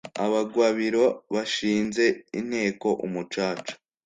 Abagwabiro bashinze inteko-Umucaca.